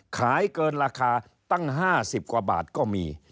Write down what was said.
ขายเกินราคาตั้ง๕๐กว่าบาทก็มี